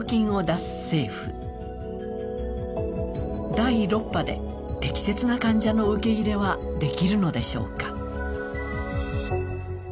第６波で適切な患者の受け入れはできるのでしょうか。